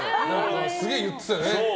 すげえ言っていたね。